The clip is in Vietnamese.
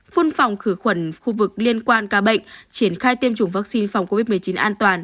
phun phòng khử khuẩn khu vực liên quan ca bệnh triển khai tiêm chủng vaccine phòng covid một mươi chín an toàn